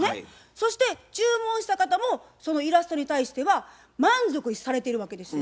そして注文した方もそのイラストに対しては満足されてるわけですよ。